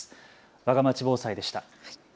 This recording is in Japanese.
わがまち防災でした。